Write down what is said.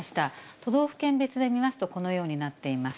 都道府県別で見ますと、このようになっています。